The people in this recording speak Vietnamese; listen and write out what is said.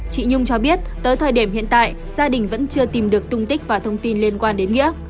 chị nhung cho biết tới thời điểm hiện tại gia đình vẫn chưa tìm được tung tích và thông tin liên quan đến nghĩa